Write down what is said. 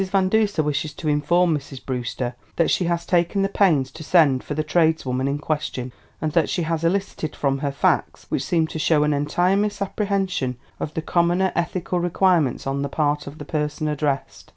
Van Duser wishes to inform Mrs. Brewster that she has taken the pains to send for the tradeswoman in question, and that she has elicited from her facts which seem to show an entire misapprehension of the commoner ethical requirements on the part of the person addressed.